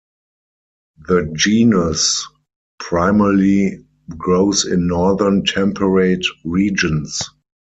The genus primarily grows in northern temperate regions.